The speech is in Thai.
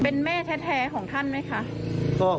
เป็นแม่แท้ของท่านไหมคะ